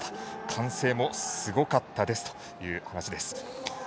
歓声もすごかったですという話です。